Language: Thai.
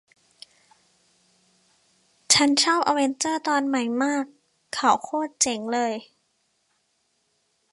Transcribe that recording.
ฉันชอบอเวนเจอร์ตอนใหม่มาด เขาโคตรเจ๋งเลย